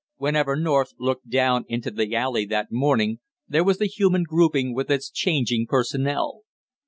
Whenever North looked down into the alley that morning, there was the human grouping with its changing personnel.